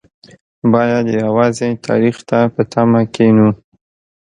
باید یوازې تاریخ ته په تمه کېنو.